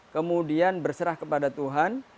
kemudian berserah kepada tuhan